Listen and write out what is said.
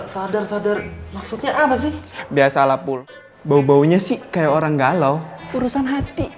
sadar sadar maksudnya apa sih biasa lapul bau baunya sih kayak orang galau urusan hati